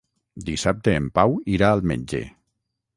Dissabte en Pau irà al metge.